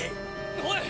おい！